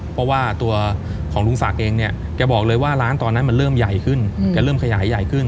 เพราะว่าตัวของลุงศักดิ์เองเนี่ยแกบอกเลยว่าร้านตอนนั้นมันเริ่มใหญ่ขึ้นแกเริ่มขยายใหญ่ขึ้น